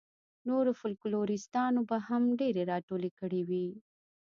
نورو فوکلوریسټانو به هم ډېرې راټولې کړې وي.